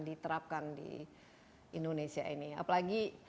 diterapkan di indonesia ini apalagi